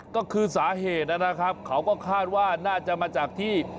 ก็คือสาเหตุนะครับเขาก็คาดว่าน่าจะมาจากที่